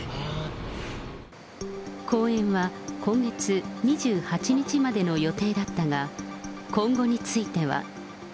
公演は、今月２８日までの予定だったが、今後については。